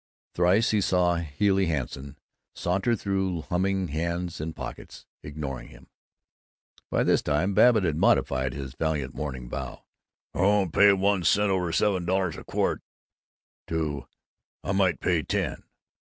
Thrice he saw Healey Hanson saunter through, humming, hands in pockets, ignoring him. By this time Babbitt had modified his valiant morning vow, "I won't pay one cent over seven dollars a quart" to "I might pay ten."